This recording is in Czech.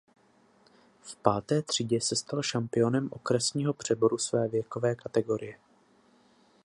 V páté třídě se stal šampionem okresního přeboru své věkové kategorie.